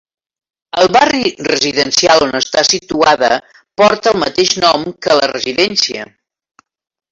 El barri residencial on està situada porta el mateix nom que la residència.